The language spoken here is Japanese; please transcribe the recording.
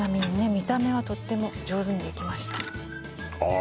見た目はとっても上手にできましたあー